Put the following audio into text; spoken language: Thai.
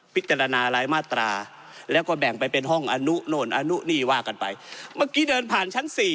พิจารณารายมาตราแล้วก็แบ่งไปเป็นห้องอนุโน่นอนุนี่ว่ากันไปเมื่อกี้เดินผ่านชั้นสี่